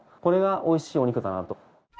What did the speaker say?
これがおいしいお肉だなと。